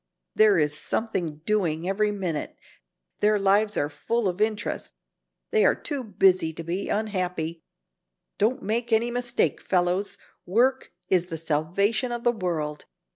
There is something doing every minute. Their lives are full of interest. They are too busy to be unhappy. Don't make any mistake, fellows, work is the salvation of the world.